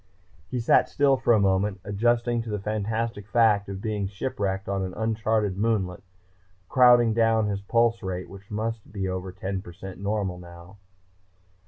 He sat still for a moment, adjusting to the fantastic fact of being shipwrecked on an unchartered moonlet, crowding down his pulse rate which might be over ten percent normal now.